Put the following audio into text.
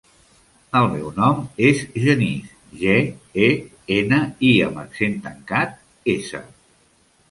El meu nom és Genís: ge, e, ena, i amb accent tancat, essa.